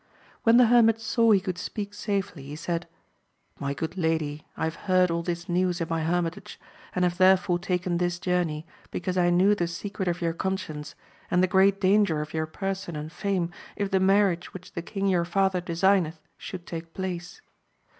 When the hermit saw he could speak safely, he said. My good lady, I have heard all this news in my hermitage, and have therefore taken this journey, because I knew the secret of your conscience,.and the great danger of your person and fame, if the marriage which the king your father designeth, should take place.